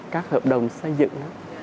các hợp đồng xây dựng